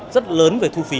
rất lớn về thu phí